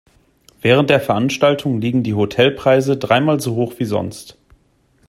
Während der Veranstaltung liegen die Hotelpreise dreimal so hoch wie sonst.